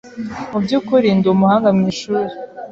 Mu by’ukuri, ndi umuhanga mu ishuri.